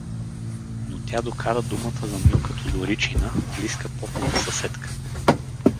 Но тя докара думата за Милка Тодоричина, близка попова съседка.